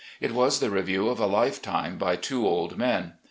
It was the review of a lifetime by two old men.